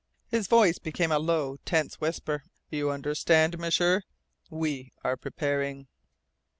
His voice became a low, tense whisper. "You understand, M'sieur? We are preparing."